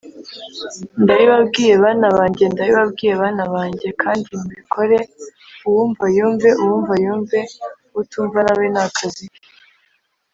ndabibabwiye bana banjye, ndabibabwiye bana banjye, kandi mubikore uwumva yumve, uwumva yumve utumva nawe ni akazi ke.